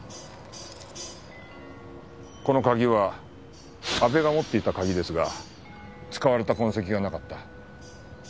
この鍵は阿部が持っていた鍵ですが使われた痕跡がなかった。